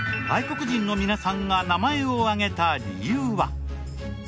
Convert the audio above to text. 外国人の皆さんが名前を挙げた理由は。